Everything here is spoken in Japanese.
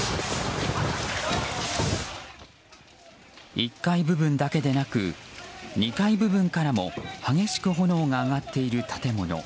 １階部分だけでなく２階部分からも激しく炎が上がっている建物。